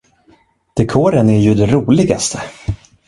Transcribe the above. Dekoren är ju det roligaste!